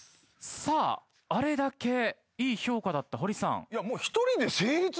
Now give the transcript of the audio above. さああれだけいい評価だったホリさん。